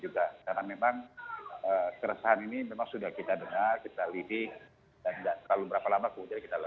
karena memang keresahan ini memang sudah kita dengar kita lidih dan tidak terlalu berapa lama kemudian kita lepas